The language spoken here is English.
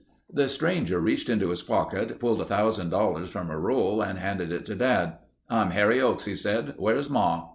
The stranger reached into his pocket, pulled $1000 from a roll and handed it to Dad. "I'm Harry Oakes," he said. "Where's Ma?"